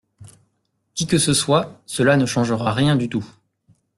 Qui que ce soit, cela ne changera rien du tout.